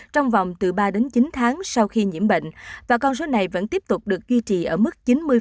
trong vòng từ ba đến chín tháng sau khi nhiễm bệnh và con số này vẫn tiếp tục được duy trì ở mức chín mươi